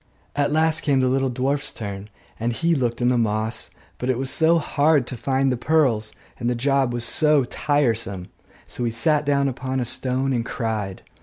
At last came the little dwarf's turn; and he looked in the moss; but it was so hard to find the pearls, and the job was so tiresome! so he sat down upon a stone and cried.